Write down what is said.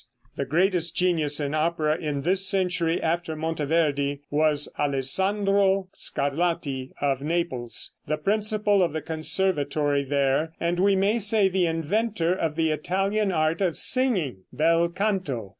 The greatest genius in opera in this century after Monteverde was Alessandro Scarlatti, of Naples, the principal of the conservatory there, and, we might say, the inventor of the Italian art of singing bel canto.